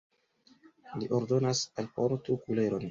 li ordonas: alportu kuleron!